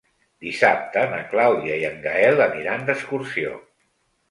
Dissabte na Clàudia i en Gaël aniran d'excursió.